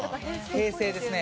平成ですね。